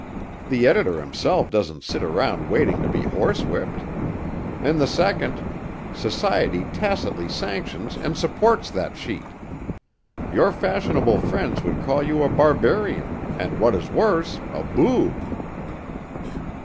The editor himself doesn't sit around waiting to be horsewhipped. In the second, society tacitly sanctions and supports that sheet. Your fashionable friends would call you a barbarian and what is worse a boob."